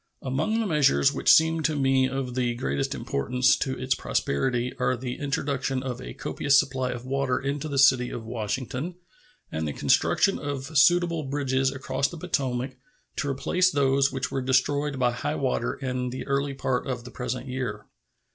Among the measures which seem to me of the greatest importance to its prosperity are the introduction of a copious supply of water into the city of Washington and the construction of suitable bridges across the Potomac to replace those which were destroyed by high water in the early part of the present year.